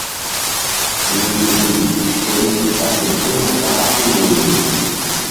Nzukri ko ni ɓa fe su̧na mbah ɓil woyri.